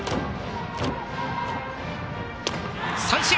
三振！